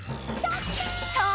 そう！